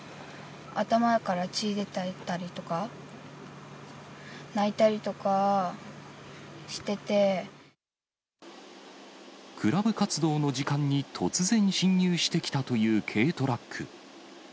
頭から血出たりとか、クラブ活動の時間に突然侵入してきたという軽トラック。